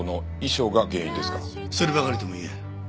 そればかりとも言えん。